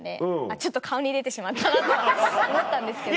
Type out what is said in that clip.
ちょっと顔に出てしまったなと思ったんですけど。